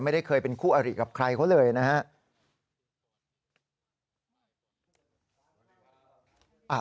ไม่ได้เคยเป็นคู่อริกับใครเขาเลยนะฮะ